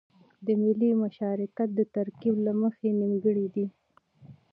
د ملي مشارکت د ترکيب له مخې نيمګړی دی.